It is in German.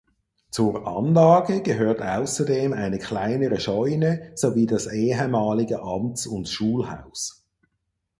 Zur Anlage gehört außerdem eine kleinere Scheune sowie das ehemalige Amts- und Schulhaus.